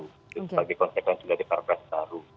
itu sebagai konsekuensi dari perpres baru